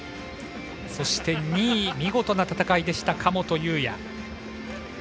そして、２位には見事な戦いでした神本雄也。